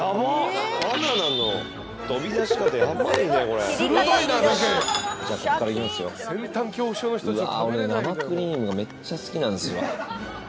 俺生クリームがめっちゃ好きなんですわ。